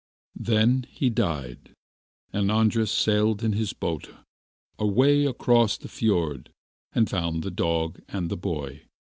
Then he died; and Andras sailed in his boat away across the fiord and found the dog and boy.